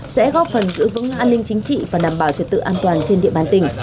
sẽ góp phần giữ vững an ninh chính trị và đảm bảo trật tự an toàn trên địa bàn tỉnh